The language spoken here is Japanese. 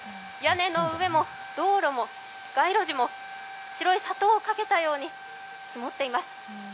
屋根の上も道路も街路樹も白い砂糖をかけたように積もっています。